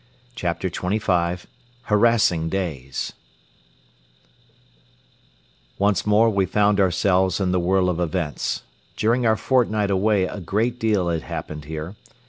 CHAPTER XXV HARASSING DAYS Once more we found ourselves in the whirl of events. During our fortnight away a great deal had happened here.